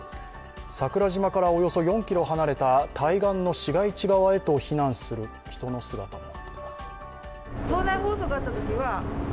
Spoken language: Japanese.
桜島からおよそ４ｋｍ離れた対岸の市街地側へと避難する人の姿も。